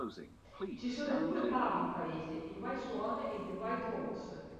Ci sono due Pub in paese, il White Swan ed il White Horse.